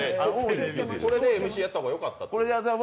これでＭＣやった方がよかったと？